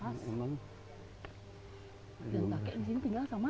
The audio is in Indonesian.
hai dan pakai ini tinggal sama